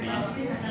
ada yang sependuk